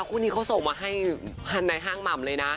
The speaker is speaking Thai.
ก็พวกนี้เขาส่งมาให้ฮั่นในห้างหม่ำเลยนะ